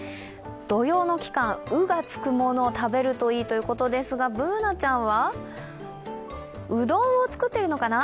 土用の期間、うがつくものを食べるといいということですがＢｏｏｎａちゃんは、うどんを作ってるのかな？